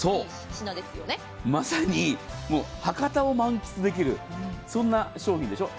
まさに博多を満喫できるそんな商品でしょう。